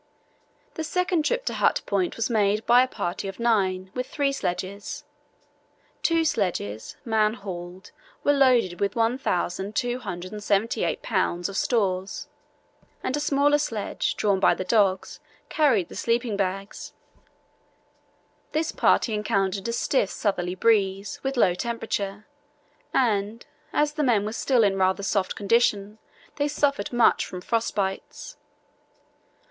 The second trip to Hut Point was made by a party of nine, with three sledges. Two sledges, man hauled, were loaded with 1278 lbs. of stores, and a smaller sledge, drawn by the dogs, carried the sleeping bags. This party encountered a stiff southerly breeze, with low temperature, and, as the men were still in rather soft condition, they suffered much from frost bites.